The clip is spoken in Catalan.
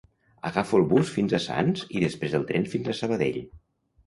Agafo el bus fins a Sants i després el tren fins a Sabadell.